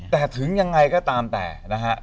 แต่ถึงยังไงก็ตามแต่นะฮะ